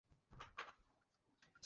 ভাবো একবার, সবারই কনডম চাই।